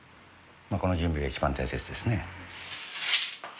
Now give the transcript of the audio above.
この準備が一番大切ですね。